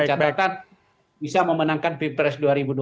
mencatatkan bisa memenangkan pprs dua ribu dua puluh empat